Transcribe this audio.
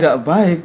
wah gak baik